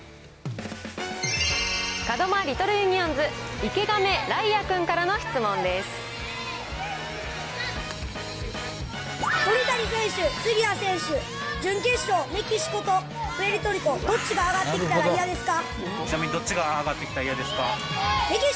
門真リトルユニオンズ、鳥谷選手、杉谷選手、準決勝、メキシコとプエルトリコ、どっちが上がってきたら嫌ですか？